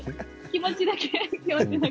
気持ちだけ。